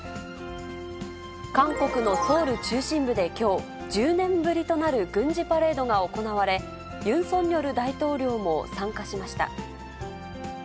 韓国のソウル中心部できょう、１０年ぶりとなる軍事パレードが行われ、ユン・ソンニョル大統領も参加しました。